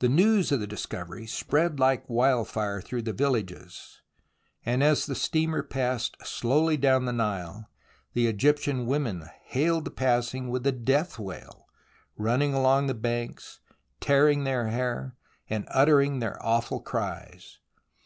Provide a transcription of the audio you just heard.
The news of the discovery spread like wildfire through the villages, and as the steamer passed slowly down the Nile, the Egyptian women hailed the passing with the death wail, running along the banks, tearing their hair and uttering their awful cries.